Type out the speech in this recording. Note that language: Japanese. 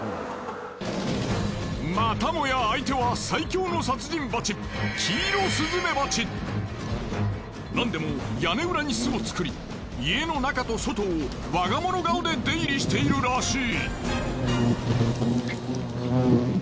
またもや相手は最凶の殺人バチなんでも屋根裏に巣を作り家の中と外を我が物顔で出入りしているらしい。